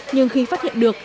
nhưng khi phát hiện được